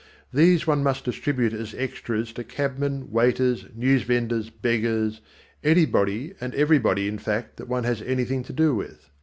These one must distribute as extras to cabmen, waiters, news vendors, beggars, anybody and everybody in fact that one has anything to do with.